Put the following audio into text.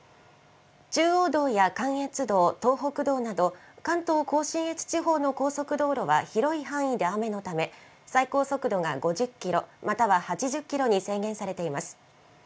中央道や関越道、東北道など、関東甲信越地方の高速道路は広い範囲で雨のため、最高速度が５０キロ、または８０キロに制限されています。